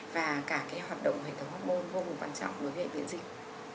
và cả cái hoạt động hệ thống hormôn vô cùng quan trọng đối với viễn dịch